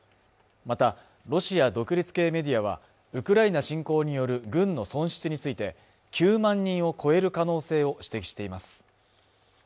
またロシア独立系メディアはウクライナ侵攻による軍の損失について９万人を超える可能性を指摘しています